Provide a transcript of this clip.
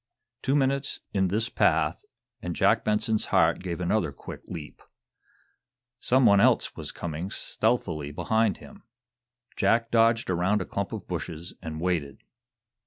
Two minutes in this path, and Jack Benson's heart gave another quick leap. Some one else was coming stealthily behind him. Jack dodged around a clump of bushes and waited.